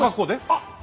あっ！